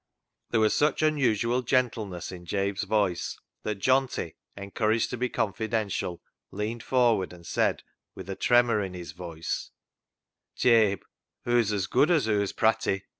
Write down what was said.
There was such unusual gentleness in Jabe's voice that Johnty, encouraged to be confidential, leaned forward and said with a tremor in his voice —" Jabe, hoo's as good as hoo's pratty.